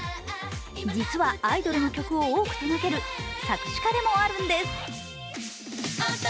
実はアイドルの曲を多く手がける作詞家でもあるんです。